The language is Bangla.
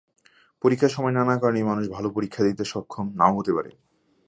পরীক্ষার সময় নানা কারণেই মানুষ ভালো পরীক্ষা দিতে সক্ষম না–ও হতে পারে।